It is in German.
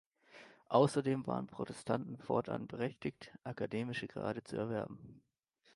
Außerdem waren Protestanten fortan berechtigt, akademische Grade zu erwerben.